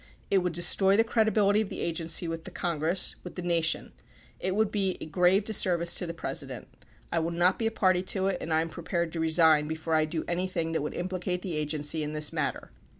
It would destroy the credibility of the Agency with the Congress, with the Na tion. It would be a grave disservice to the President. I will not be a party to it and I am prepared to resign before I do anything that would implicate the Agency in this matter.